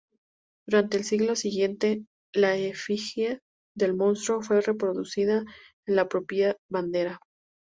Durante el siglo siguiente, la efigie del monstruo fue reproducida en la propia bandera.